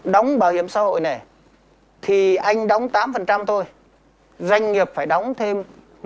đóng bảo hiểm xã hội này thì anh đóng tám thôi doanh nghiệp phải đóng thêm một mươi tám